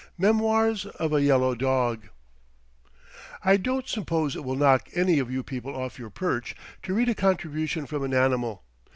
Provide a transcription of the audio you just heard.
MEMOIRS OF A YELLOW DOG I don't suppose it will knock any of you people off your perch to read a contribution from an animal.